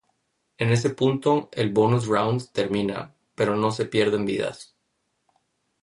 En ese punto, el "bonus round" termina, pero no se pierden vidas.